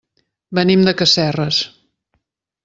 Venim de Casserres.